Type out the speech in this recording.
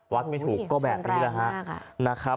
วัดไม่ถูกก็แบบนี้แหละ